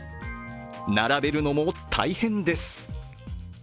並べるのも大変です。